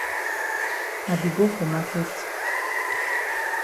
I be go for maket.